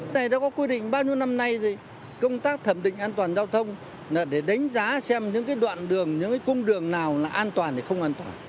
tại đây đã có quy định bao nhiêu năm nay rồi công tác thẩm định an toàn giao thông là để đánh giá xem những cái đoạn đường những cái cung đường nào là an toàn hay không an toàn